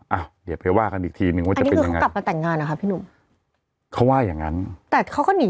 อ้าวเดี๋ยวไปว่ากันอีกทีนึงว่าจะเป็นยังไง